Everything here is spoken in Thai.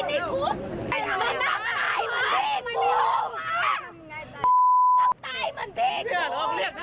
ไม่ตายก็ตายในขุมจะต้องตายเหมือนเป็นครู